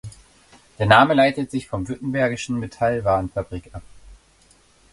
Der Name leitet sich von Württembergischen Metallwarenfabrik ab.